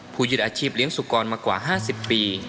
ยึดอาชีพเลี้ยงสุกรมากว่า๕๐ปี